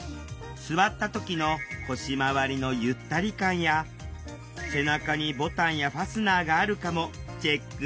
座った時の腰回りのゆったり感や背中にボタンやファスナーがあるかもチェックできる。